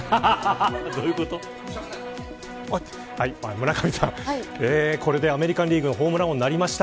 村上さん、これでアメリカンリーグのホームラン王になりました。